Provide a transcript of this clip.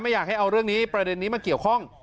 อยากให้เอาเรื่องนี้ประเด็นนี้มาเกี่ยวข้อง